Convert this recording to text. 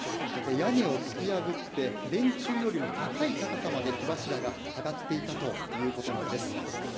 屋根を突き破って電柱よりも高い高さまで火柱が上がっていたということなんです。